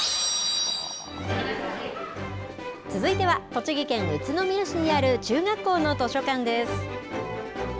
続いては栃木県宇都宮市にある中学校の図書館です。